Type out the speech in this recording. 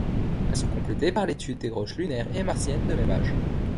Elles sont complétées par l'étude des roches lunaires et martiennes de même âge.